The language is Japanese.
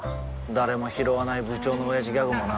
誰もひろわない部長のオヤジギャグもな